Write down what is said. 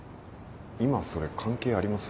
今それ関係あります？